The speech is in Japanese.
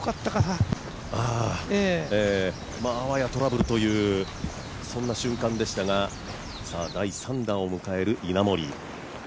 あわやトラブルというそんな瞬間でしたが、第３打を迎える稲森。